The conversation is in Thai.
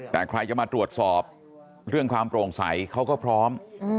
แต่ใครจะมาตรวจสอบเรื่องความโปร่งใสเขาก็พร้อม